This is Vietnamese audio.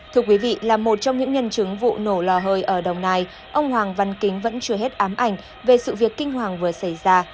thưa quý vị là một trong những nhân chứng vụ nổ lò hơi ở đồng nai ông hoàng văn kính vẫn chưa hết ám ảnh về sự việc kinh hoàng vừa xảy ra